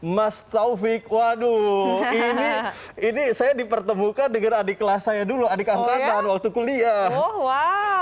mas taufik waduh ini ini saya dipertemukan dengan adik kelas saya dulu adik hambatan waktu kuliah